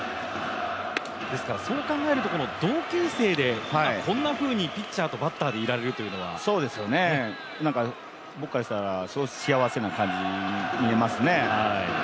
そう考えると同級生でこんなふうにピッチャーとバッターでいられるっていうのは僕からしたらすごく幸せな感じに見えますね。